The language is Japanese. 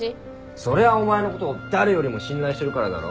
そりゃあお前のことを誰よりも信頼してるからだろ